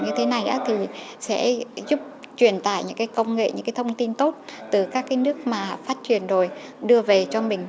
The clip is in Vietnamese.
như thế này thì sẽ giúp truyền tải những cái công nghệ những cái thông tin tốt từ các cái nước mà phát triển rồi đưa về cho mình